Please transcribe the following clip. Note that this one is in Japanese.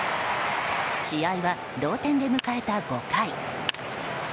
試合は同点で迎えた５回。